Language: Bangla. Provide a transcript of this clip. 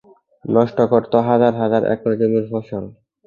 নষ্ট করতো হাজার হাজার একর জমির ফসল।